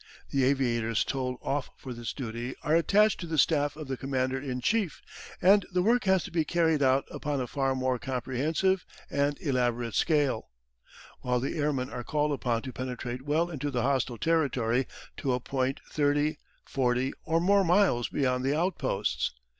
The aviators told off for this duty are attached to the staff of the Commander in Chief, and the work has to be carried out upon a far more comprehensive and elaborate scale, while the airmen are called upon to penetrate well into the hostile territory to a point thirty, forty, or more miles beyond the outposts.